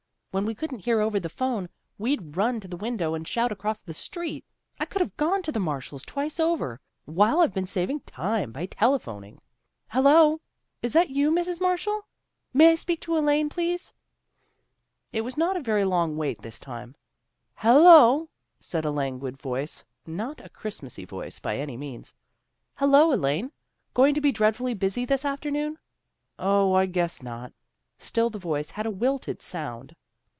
When we couldn't hear over the 'phone we'd run to the window and shout across the street. I could have gone to the Marshalls twice over, 202 CHRISTMAS CELEBRATIONS 203 while I've been saving time by telephoning. HeUo! Is that you, Mrs. Marshall? May I speak to Elaine a minute? " It was not a very long wait this time. " Hello! " said a languid voice, not a Christ masy voice, by any means. " Hello, Elaine. Going to be dreadfully busy this afternoon? " "0, I guess not." Still the voice had a wilted scund.